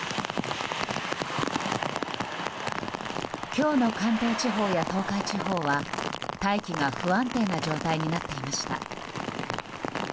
今日の関東地方や東海地方は大気が不安定な状態になっていました。